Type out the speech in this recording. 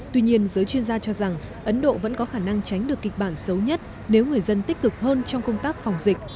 tuy nhiên giới chuyên gia cho rằng ấn độ vẫn có khả năng tránh được kịch bản xấu nhất nếu người dân tích cực hơn trong công tác phòng dịch